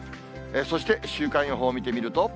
そして週間予報見てみると。